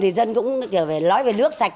thì dân cũng kiểu nói về nước sạch